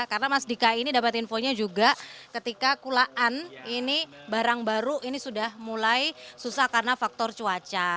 karena mas dika ini dapat infonya juga ketika kulaan ini barang baru ini sudah mulai susah karena faktor cuaca